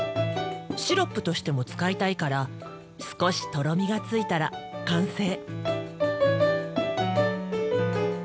シロップとしても使いたいから少しとろみがついたら完成。